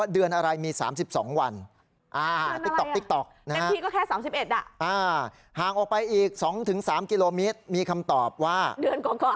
เรื่องดันเว้นนี้เกิดเเกือนกว่ากว่าง